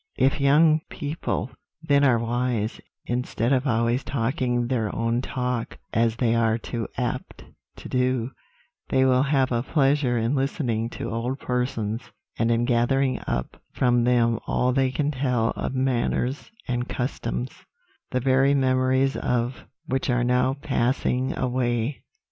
If young people, then, are wise, instead of always talking their own talk, as they are too apt to do, they will have a pleasure in listening to old persons, and in gathering up from them all they can tell of manners and customs, the very memories of which are now passing away.